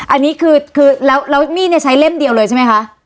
อันนี้คือแล้วมีดเนี่ยใช้เล่มเดียวเลยใช่ไหมคะ